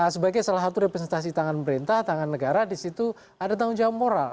sebagai salah satu representasi tangan berintah tangan negara disitu ada tanggung jawab moral